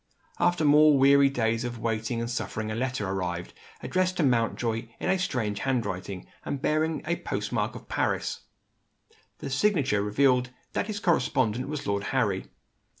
After more weary days of waiting and suffering a letter arrived, addressed to Mountjoy in a strange handwriting, and bearing the post mark of Paris. The signature revealed that his correspondent was Lord Harry.